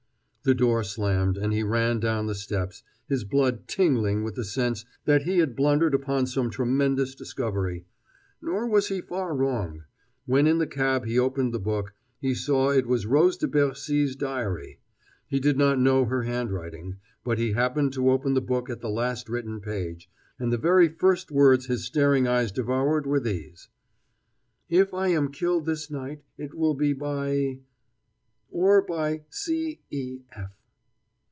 The door slammed, and he ran down the steps, his blood tingling with the sense that he had blundered upon some tremendous discovery. Nor was he far wrong. When in the cab he opened the book, he saw it was Rose de Bercy's diary. He did not know her handwriting, but he happened to open the book at the last written page, and the very first words his staring eyes devoured were these: If I am killed this night, it will be by or by C. E.